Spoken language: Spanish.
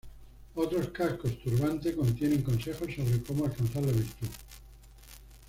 Otros cascos turbante contienen consejos sobre cómo alcanzar la virtud.